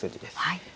はい。